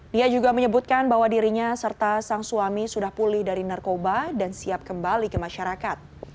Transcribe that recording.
dia juga menyebutkan bahwa dirinya serta sang suami sudah pulih dari narkoba dan siap kembali ke masyarakat